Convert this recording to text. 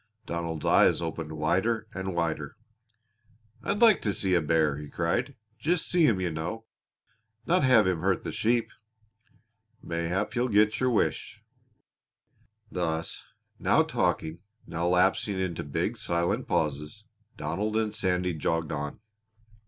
Donald's eyes opened wider and wider. "I'd like to see a bear," cried he. "Just see him, you know not have him hurt the sheep." "Mayhap you'll get your wish." Thus now talking, now lapsing into big, silent pauses, Donald and Sandy jogged on.